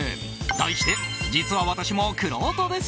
題して、実は私もくろうとです